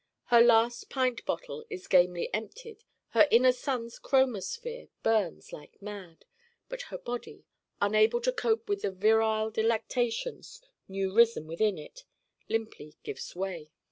Her last pint bottle is gamely emptied, her inner sun's chromosphere burns like mad but her body, unable to cope with the virile delectations new risen within it, limply gives way.